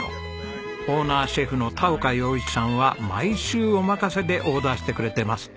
オーナーシェフの田岡洋一さんは毎週お任せでオーダーしてくれてます。